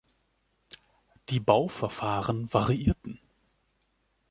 Die Bauverfahren variierten.